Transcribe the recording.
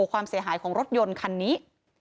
ความเสียหายของรถยนต์คันนี้